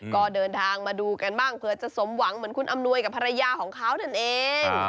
ก็เดินทางมาดูกันบ้างเผื่อจะสมหวังเหมือนคุณอำนวยกับภรรยาของเขานั่นเอง